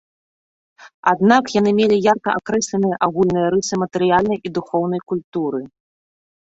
Аднак яны мелі ярка акрэсленыя агульныя рысы матэрыяльнай і духоўнай культуры.